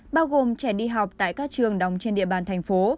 bao gồm trẻ đi học tại các trường đóng trên địa bàn thành phố